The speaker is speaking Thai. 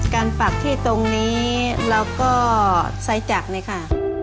การปักที่ตรงนี้แล้วก็ไซด์จักรนะคะ